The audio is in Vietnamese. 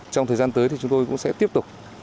trong thời gian tới thì chúng tôi cũng sẽ tiếp tục